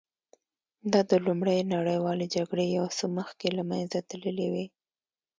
دا د لومړۍ نړیوالې جګړې یو څه مخکې له منځه تللې وې